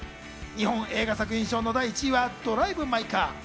日本映画作品賞の１位は『ドライブ・マイ・カー』。